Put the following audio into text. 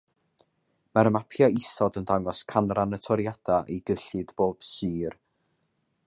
Mae'r mapiau isod yn dangos canran y toriadau i gyllid pob sir